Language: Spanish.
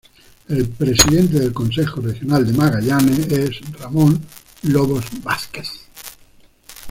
El presidente del Consejo Regional de Magallanes es Ramón Lobos Vásquez.